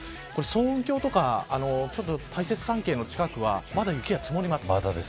層雲峡とか大雪山系の近くはまだ雪が積もります。